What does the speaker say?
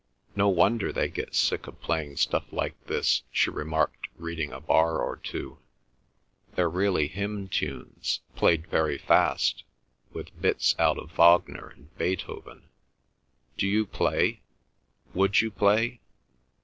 "No wonder they get sick of playing stuff like this," she remarked reading a bar or two; "they're really hymn tunes, played very fast, with bits out of Wagner and Beethoven." "Do you play? Would you play?